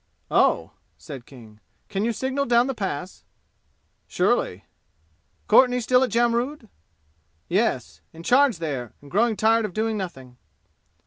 "Oh!" said King. "Can you signal down the Pass?" "Surely." "Courtenay still at Jamrud?" "Yes. In charge there and growing tired of doing nothing."